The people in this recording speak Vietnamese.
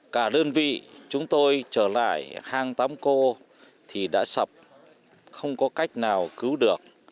cả đơn vị chúng tôi trở lại hang tám cô thì đã sập không có cách nào cứu được